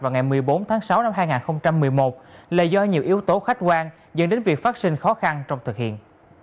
vào ngày một mươi bốn tháng sáu năm hai nghìn một mươi một là do nhiều yếu tố khách quan dẫn đến việc phát sinh khó khăn trong thực hiện